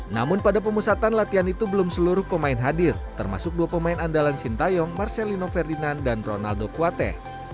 namun pada pemusatan latihan itu belum seluruh pemain hadir termasuk dua pemain andalan sintayong marcelino ferdinand dan ronaldo kuate